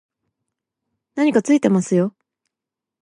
何かついてますよ